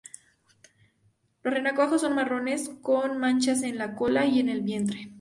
Los renacuajos son marrones con manchas en la cola y el vientre.